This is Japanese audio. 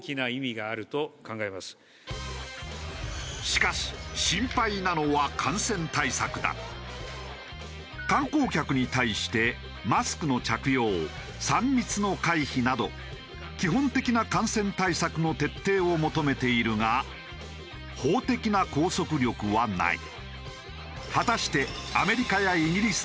しかし観光客に対してマスクの着用３密の回避など基本的な感染対策の徹底を求めているが法的な拘束力はない。